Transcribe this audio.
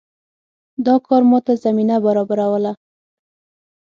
دا کار ماته زمینه برابروله.